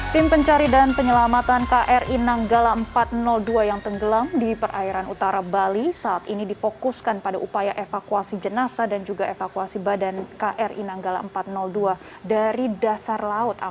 tim pencari dan penyelamatan kri nanggala empat ratus dua yang tenggelam di perairan utara bali saat ini difokuskan pada upaya evakuasi jenasa dan juga evakuasi badan kri nanggala empat ratus dua dari dasar laut